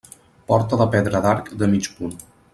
Porta de pedra d'arc de mig punt.